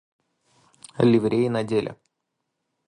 Ливреи надели.